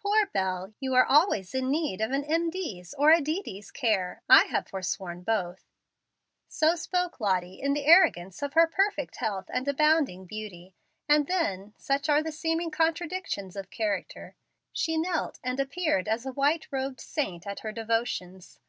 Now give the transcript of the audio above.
Poor Bel, you are always in need of an M. D.'s or a D. D.'s care. I have forsworn both." So spoke Lottie in the arrogance of her perfect health and abounding beauty, and then (such are the seeming contradictions of character) she knelt and appeared as a white robed saint at her devotions.